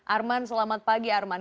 arman selamat pagi arman